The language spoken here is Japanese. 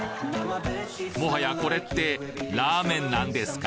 もはやこれってラーメンなんですか？